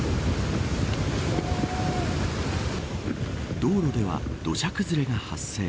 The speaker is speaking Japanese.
道路では土砂崩れが発生。